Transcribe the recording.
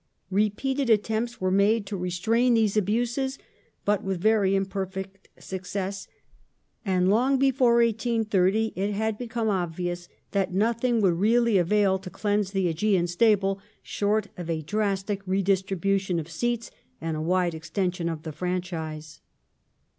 Repeated attempts were made to restrain these abuses, but with very imperfect success, and long before 1830 it had become obvious that nothing would really avail to cleanse the Augean stable shoi t of a drastic redistribution of seats and a wide extension of the franchise.